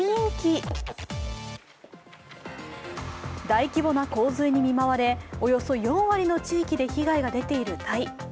大規模な洪水に見舞われおよそ４割の地域で被害が出ているタイ。